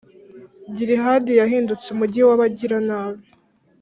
Gilihadi yahindutse umugi w’abagiranabi,